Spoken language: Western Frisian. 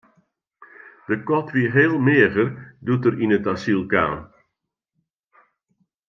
De kat wie heel meager doe't er yn it asyl kaam.